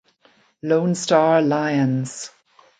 Lonestar Lions